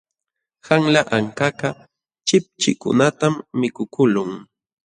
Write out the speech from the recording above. Qanla ankakaq chipchikunatam mikukuqlun.